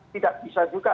tidak bisa juga